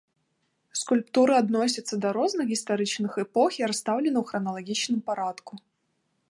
Скульптуры адносяцца да розных гістарычных эпох і расстаўлены ў храналагічным парадку.